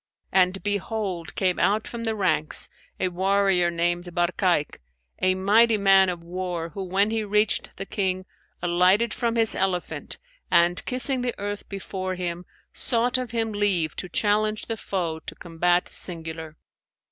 And behold came out from the ranks a warrior named Barkayk, a mighty man of war who, when he reached the King, alighted from his elephant and kissing the earth before him, sought of him leave to challenge the foe to combat singular.